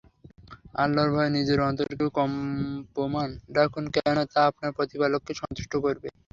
আল্লাহর ভয়ে নিজের অন্তরকে কম্পমান রাখুন, কেননা তা আপনার প্রতিপালককে সন্তুষ্ট করবে।